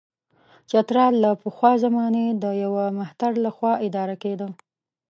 چترال له پخوا زمانې د یوه مهتر له خوا اداره کېده.